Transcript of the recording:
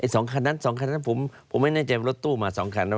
สองคันนั้นสองคันนั้นผมไม่แน่ใจรถตู้มาสองคัน